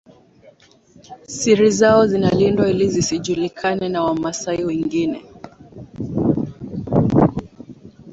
Siri zao zinalindwa ili zisijulikane na Wamasai wengine